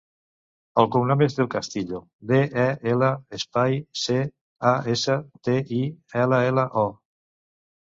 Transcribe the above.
El cognom és Del Castillo: de, e, ela, espai, ce, a, essa, te, i, ela, ela, o.